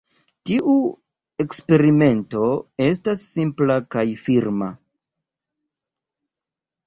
Tiu eksperimento estas simpla kaj firma.